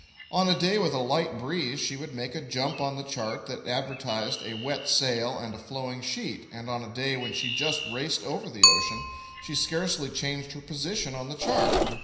On a day with a light breeze she would make a jump on the chart that advertised "a wet sail and a flowing sheet," and on a day when she just raced over the ocean, she scarcely changed her position on the chart.